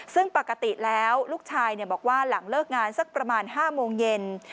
ซึ่งปกติแล้วลูกชายบอกว่าหลังเลิกงานสักประมาณ๕โมงเย็น